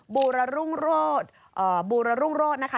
บูรรุ่งโรธบูรรุ่งโรศนะคะ